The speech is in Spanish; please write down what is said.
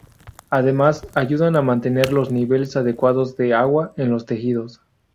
Además, ayudan a mantener los niveles adecuados de agua en los tejidos.